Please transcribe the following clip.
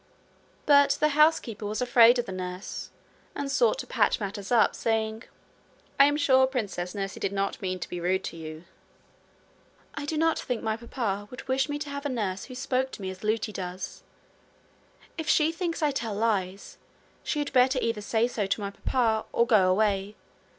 But the housekeeper was afraid of the nurse, and sought to patch matters up, saying: 'I am sure, princess, nursie did not mean to be rude to you.' 'I do not think my papa would wish me to have a nurse who spoke to me as Lootie does. If she thinks I tell lies, she had better either say so to my papa, or go away.